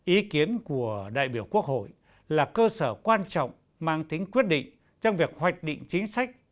ý kiến của đại biểu quốc hội là cơ sở quan trọng mang tính quyết định trong việc hoạch định chính sách